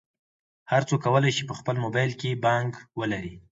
هر څوک کولی شي په خپل موبایل کې بانک ولري.